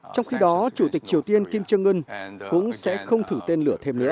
trong khi đó chủ tịch triều tiên kim jong un cũng sẽ không thử tên lửa thêm nữa